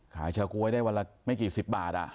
ขายเฉา้อกล้วยได้วันแรกเป็นไม่กี่สิบบาท